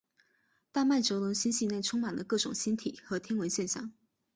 大麦哲伦星系内充满了各种星体和天文现象。